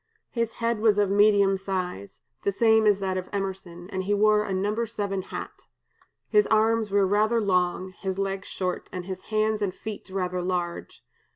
His head was of medium size, the same as that of Emerson, and he wore a number seven hat. His arms were rather long, his legs short, and his hands and feet rather large.